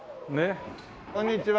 こんにちは。